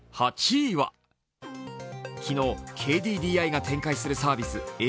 昨日、ＫＤＤＩが展開するサービス